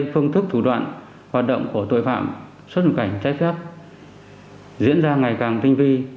phương thức thủ đoạn hoạt động của tội phạm xuất nhập cảnh trái phép diễn ra ngày càng tinh vi